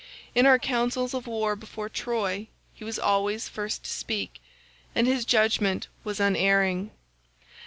In our councils of war before Troy he was always first to speak, and his judgement was unerring.